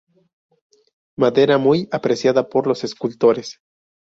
Madera muy apreciada por los escultores.